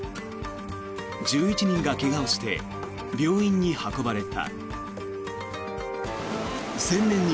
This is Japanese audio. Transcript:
１１人が怪我をして病院に運ばれた。